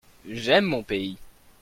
j'aime mon pays.